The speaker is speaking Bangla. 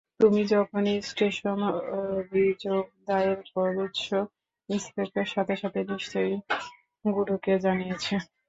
তুমি যখনই স্টেশনে অভিযোগ দায়ের করছো, ইন্সপেক্টর সাথে সাথে নিশ্চয়ই গুরুকে জানিয়েছে।